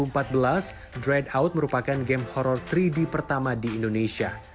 ketika dirilis pada dua ribu empat belas dreadout merupakan game horror tiga d pertama di indonesia